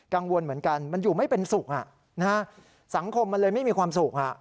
กังวลเหมือนกันมันอยู่ไม่เป็นสุขสังคมมันเลยไม่มีความสุข